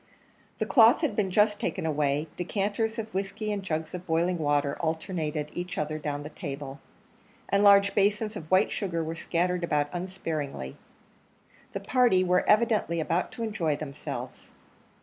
The cloth had been just taken away, decanters of whiskey and jugs of boiling water alternated each other down the table, and large basins of white sugar were scattered about unsparingly. The party were evidently about to enjoy themselves.